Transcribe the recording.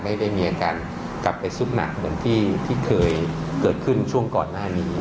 ไม่ได้มีอาการกลับไปสุดหนักเหมือนที่เคยเกิดขึ้นช่วงก่อนหน้านี้